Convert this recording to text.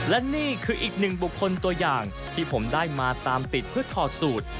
และนี่คืออีกหนึ่งบุคคลตัวอย่างที่ผมได้มาตามติดเพื่อถอดสูตร